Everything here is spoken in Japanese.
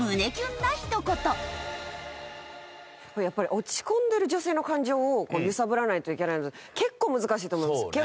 やっぱり落ち込んでる女性の感情を揺さぶらないといけないので結構難しいと思います。